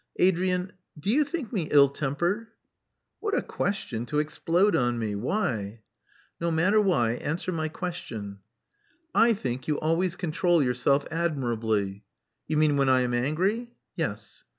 Adrian: do you think me ill tempered?" "What a question to explode on me! Why?" "No matter why. Answer my question." "I think you always control yourself admirably." "You mean when I am angry?" "Yes."